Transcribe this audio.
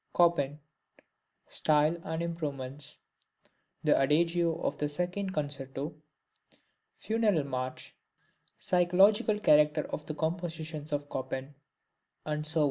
Chopin Style and Improvements The Adagio of the Second Concerto Funeral March Psychological Character of the Compositions of Chopin, &c.